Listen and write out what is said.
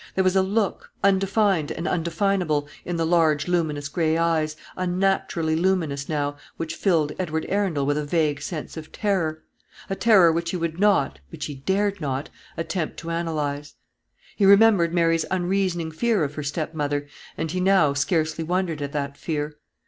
There was a look, undefined and undefinable, in the large luminous grey eyes, unnaturally luminous now, which filled Edward Arundel with a vague sense of terror; a terror which he would not which he dared not attempt to analyse. He remembered Mary's unreasoning fear of her stepmother, and he now scarcely wondered at that fear.